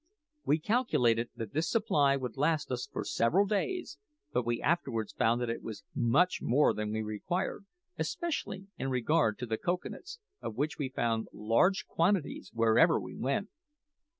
We calculated that this supply would last us for several days; but we afterwards found that it was much more than we required, especially in regard to the cocoa nuts, of which we found large supplies wherever we went.